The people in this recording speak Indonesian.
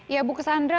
ya bu kesandra